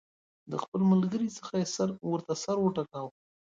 له خپل ملګري څخه یې ورته سر وټکاوه.